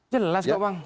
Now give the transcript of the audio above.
jelas kok bang